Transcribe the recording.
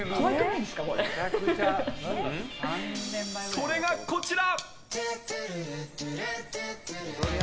それがこちら！